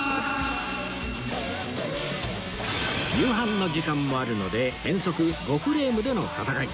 夕飯の時間もあるので変則５フレームでの戦い